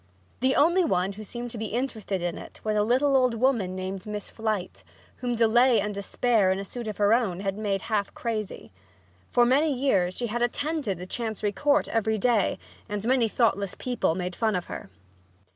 The only one who seemed to be interested in it was a little old woman named Miss Flite, whom delay and despair in a suit of her own had made half crazy. For many years she had attended the Chancery Court every day and many thoughtless people made fun of her.